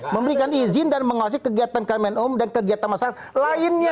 memberikan izin dan menguasai kegiatan kmnom dan kegiatan masyarakat lainnya